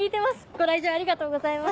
ご来場ありがとうございます。